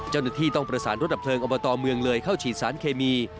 เจ้าหน้าที่ต้องประสานรถดับเพลิงอบตเมืองเลยเข้าฉีดสารเคมี